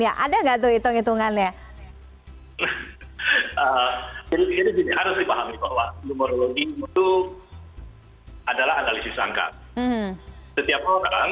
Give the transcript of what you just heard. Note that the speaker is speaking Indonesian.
orang itu punya energi positif dan negatif